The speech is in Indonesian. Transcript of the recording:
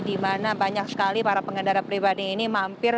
di mana banyak sekali para pengendara pribadi ini mampir